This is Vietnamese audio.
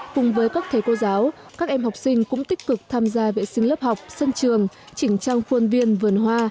cùng với các thầy cô giáo các em học sinh cũng tích cực tham gia vệ sinh lớp học sân trường chỉnh trang khuôn viên vườn hoa